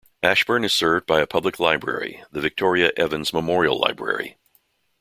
Ashburn is served by a public library, the Victoria Evans Memorial Library.